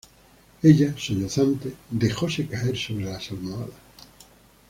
ella, sollozante, dejóse caer sobre las almohadas: